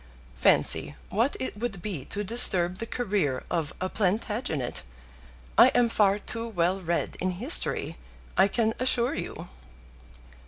Fancy what it would be to disturb the career of a Plantagenet! I am far too well read in history, I can assure you."